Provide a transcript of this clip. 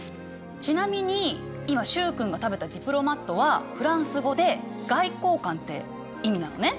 ちなみに今習君が食べたディプロマットはフランス語で外交官って意味なのね。